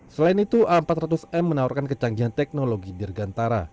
selain itu a empat ratus m menawarkan kecanggihan teknologi dirgantara